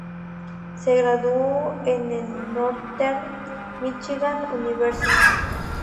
Se graduó en la Northern Míchigan University.